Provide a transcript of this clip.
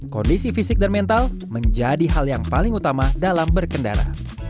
kondisi fisik dan mental menjadi hal yang paling utama dalam berkendara